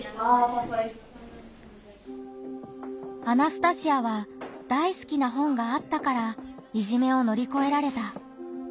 アナスタシアは大好きな本があったからいじめを乗り越えられた。